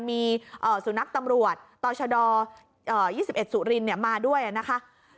มีสุนัขตำรวจต่อชด๒๑สุรินมาด้วยนะคะ